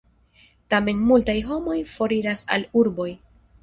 Tamen multaj homoj foriras al urboj.